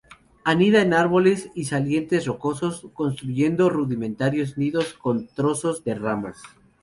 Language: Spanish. Anida en árboles y salientes rocosos, construyendo rudimentarios nidos con trozos de ramas.